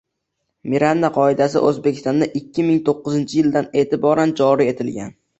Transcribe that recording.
Miranda qoidasi O‘zbekistonda ikki ming to'qqizinchi yildan e’tiboran joriy etilgan